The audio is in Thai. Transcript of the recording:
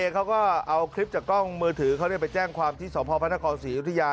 เขาบอกว่าเราไปปาดซ้ายให้ปาดหน้ารถเขา